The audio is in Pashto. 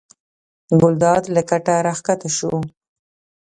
ګلداد له کټه راکښته شو.